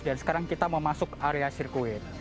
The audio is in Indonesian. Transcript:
dan sekarang kita mau masuk area sirkuit